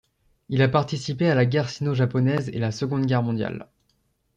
Il a participé à la guerre sino-japonaise et la Seconde Guerre mondiale.